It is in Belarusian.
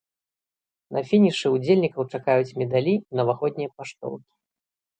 На фінішы ўдзельнікаў чакаюць медалі і навагоднія паштоўкі.